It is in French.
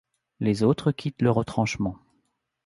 Les autres quittent le retranchement…